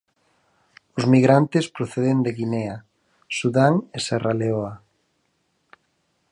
Os migrantes proceden de Guinea, Sudán e Serra Leoa.